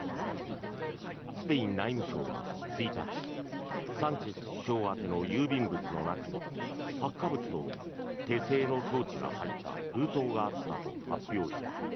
スペイン内務省は１日サンチェス首相宛ての郵便物の中に発火物と手製の装置が入った封筒があったと発表した。